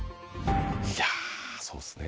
いやそうっすね。